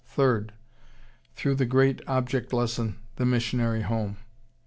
Third: Through the great object lesson, the missionary home.